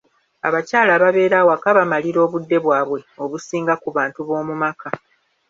Abakyala ababeera awaka bamalira obudde bwabwe obusinga ku bantu b'omu maka.